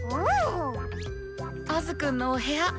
アズくんのお部屋